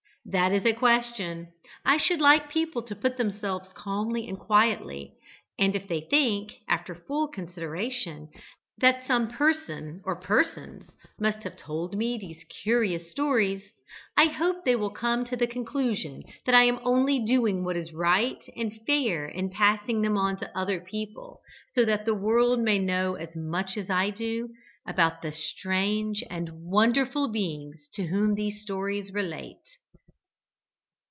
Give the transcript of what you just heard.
That is a question I should like people to put to themselves calmly and quietly, and if they think, after full consideration, that some person or persons must have told me these curious stories, I hope they will come to the conclusion that I am only doing what is right and fair in passing them on to other people, so that the world may know as much as I do about the strange and wonderful beings to whom these stories relate.